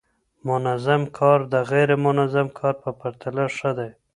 منظم کار د غیر منظم کار په پرتله ښه دی.